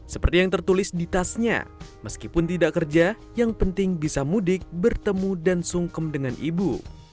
seperti yang tertulis di tasnya meskipun tidak kerja yang penting bisa mudik bertemu dan sungkem dengan ibu